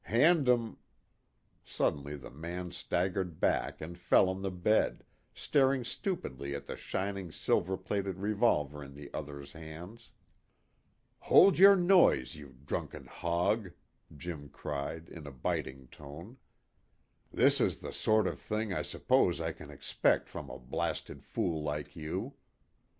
Hand 'em " Suddenly the man staggered back and fell on the bed, staring stupidly at the shining silver plated revolver in the other's hands. "Hold your noise, you drunken hog," Jim cried in a biting tone. "This is the sort of thing I suppose I can expect from a blasted fool like you.